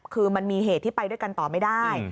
คือมันมีเหตุที่ไปด้วยกันต่อไม่ได้